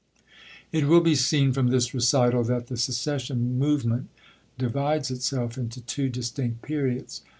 It wiU be seen from this recital that the seces sion movement divides itself into two distinct periods.